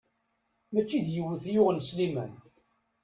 Mačči d yiwet i yuɣen Sliman.